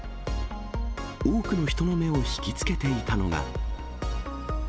多くの人の目を引き付けていたのが。